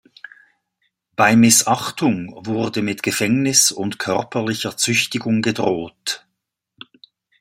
Bei Missachtung wurde mit Gefängnis und körperlicher Züchtigung gedroht.